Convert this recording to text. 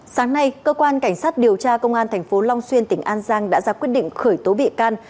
sáng nay cơ quan cảnh sát điều tra công an tp long xuyên tỉnh an giang đã ra quyết định khởi tố bị can